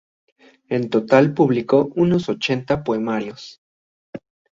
En total publicó unos ochenta poemarios.